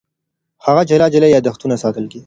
هغه جلا جلا یادښتونه ساتل.